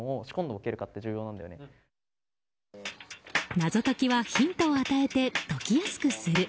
謎解きはヒントを与えて解きやすくする。